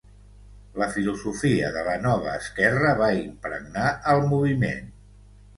La filosofia de la Nova Esquerra va impregnar el moviment.